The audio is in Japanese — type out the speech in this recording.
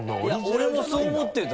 いや俺もそう思ってた。